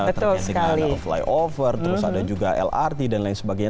terkait dengan flyover terus ada juga lrt dan lain sebagainya